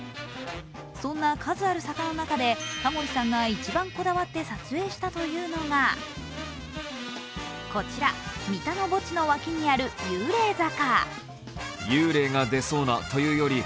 そんな数ある坂の中でタモリさんが一番こだわって撮影したというのがこちら三田の墓地にある幽霊坂。